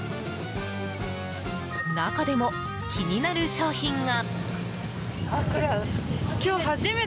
中でも気になる商品が。